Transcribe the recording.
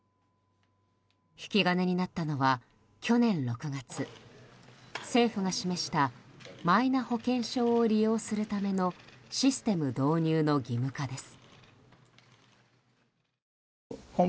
引き金になったのは去年６月政府が示したマイナ保険証を利用するためのシステム導入の義務化です。